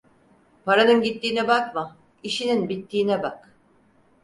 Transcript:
Paranın gittiğine bakma, işinin bittiğine bak.